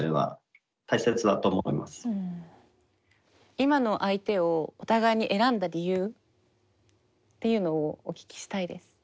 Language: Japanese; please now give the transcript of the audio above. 今の相手をお互いに選んだ理由っていうのをお聞きしたいです。